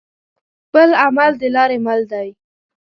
خپل عمل د لارې مل دى.